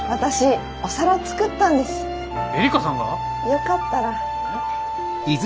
よかったら。